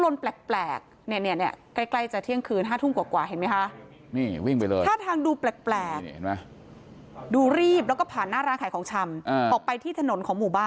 นี่นะคะ